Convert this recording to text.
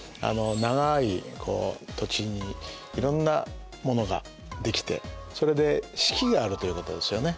長い土地にいろんなものが出来てそれで四季があるということですよね。